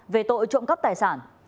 về tội trộm cắp tài sản